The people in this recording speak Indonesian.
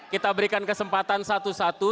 kita berikan kesempatan satu satu